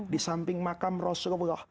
di samping makam rasulullah